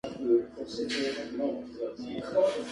笠間市